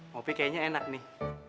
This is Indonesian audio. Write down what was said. kopi kayaknya enak nih